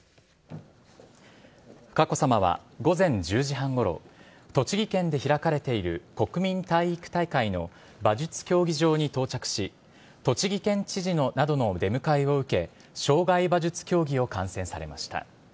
佳子さまは、午前１０時半ごろ、栃木県で開かれている国民体育大会の馬術競技場に到着し、栃木県知事などの出迎えを受け、障害馬術競技を観戦されました。